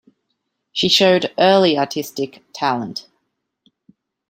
She showed early artistic talent.